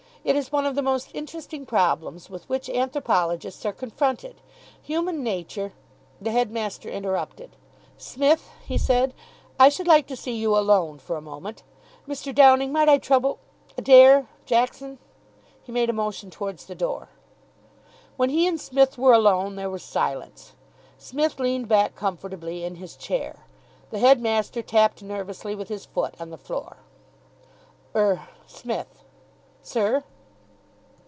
It is one of the most interesting problems with which anthropologists are confronted. Human nature " The headmaster interrupted. "Smith," he said, "I should like to see you alone for a moment. Mr. Downing might I trouble ? Adair, Jackson." He made a motion towards the door. When he and Psmith were alone, there was silence. Psmith leaned back comfortably in his chair. The headmaster tapped nervously with his foot on the floor. "Er Smith." "Sir?"